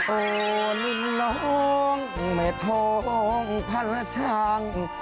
โอ้นิลองแม่โทงพรชาง